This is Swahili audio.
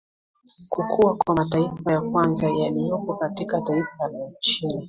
Kukua kwa mataifa ya kwanza yaliyopo katika taifa la Uchina